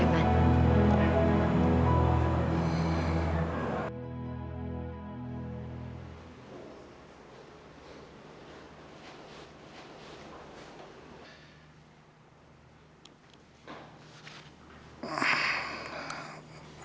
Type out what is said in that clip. nolong pertanyaan sama aku